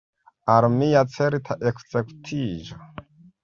Al mia certa ekzekutiĝo!